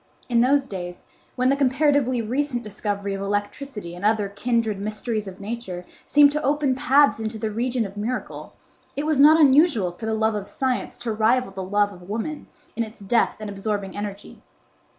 In those days when the comparatively recent discovery of electricity and other kindred mysteries of Nature seemed to open paths into the region of miracle, it was not unusual for the love of science to rival the love of woman in its depth and absorbing energy.